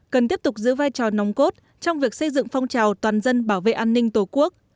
cần tiếp tục giữ vai trò nòng cốt trong việc xây dựng phong trào toàn dân bảo vệ an ninh tổ quốc